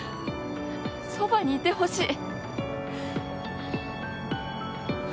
そばにいてほしい。